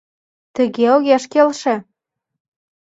Тыге огеш келше...